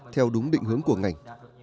theo đúng định hướng của ngành